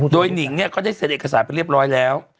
โดยหนิงเนี่ยก็ได้เซ็นเอกสารไปเรียบร้อยแล้ว